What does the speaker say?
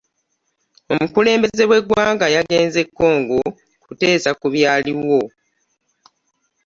Omukulembeze we ggwanga yagenze Congo kuteesa ku byaliwo.